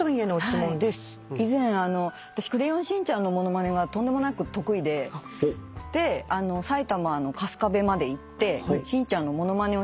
以前私『クレヨンしんちゃん』の物まねがとんでもなく得意で埼玉の春日部まで行ってしんちゃんの物まねをしたんです。